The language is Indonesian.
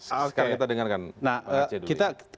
sekarang kita dengarkan bang aceh dulu